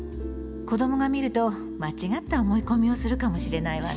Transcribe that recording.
子どもが見ると間違った思い込みをするかもしれないわね。